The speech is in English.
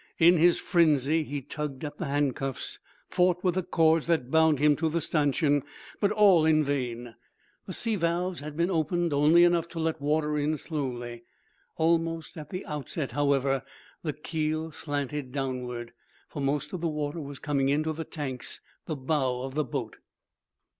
In his frenzy he tugged at the handcuffs, fought with the cords that bound him to the stanchion, but all in vain. The sea valves had been opened only enough to let the water in slowly. Almost at the outset, however, the keel slanted downward, for most of the water was coming into the tanks the bow of the boat.